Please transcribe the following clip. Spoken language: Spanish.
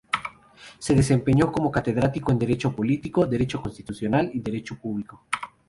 Se desempeñó como catedrático en Derecho Político, Derecho Constitucional y Derecho Público.